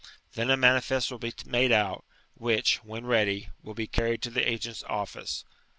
Then a manifest will be made out, which, when ready, will be carried to the agent's office.